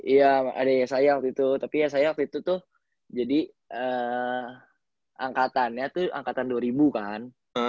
iya ada ysie waktu itu tapi ysie waktu itu tuh jadi angkatannya tuh angkatan dua ribu kan